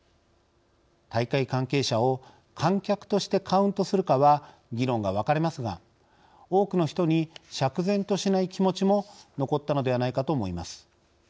大会関係者を観客としてカウントするかは議論が分かれますが多くの人に釈然としない気持ちも残ったのではないかと思います。